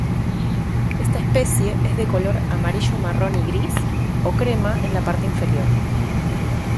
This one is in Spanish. Esta especie es de color amarillo-marrón y gris o crema en la parte inferior.